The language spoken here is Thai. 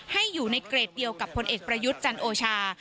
ให้อยู่ในเกรดเดียวกับพลเอกประยุทธ์จันโอชา